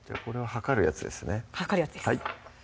量るやつです